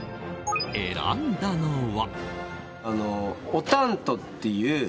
選んだのは。